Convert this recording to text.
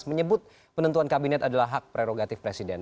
menyebut penentuan kabinet adalah hak prerogatif presiden